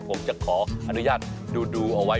ผมจะขออนุญาตดูเอาไว้